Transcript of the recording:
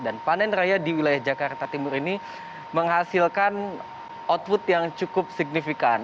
dan panen raya di wilayah jakarta timur ini menghasilkan output yang cukup signifikan